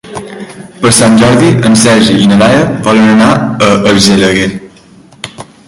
Per Sant Jordi en Sergi i na Laia volen anar a Argelaguer.